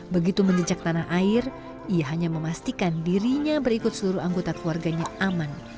begitu menjejak tanah air ia hanya memastikan dirinya berikut seluruh anggota keluarganya aman